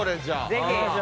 ぜひ。